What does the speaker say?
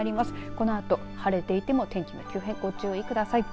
このあと晴れていても天気の急変、ご注意ください。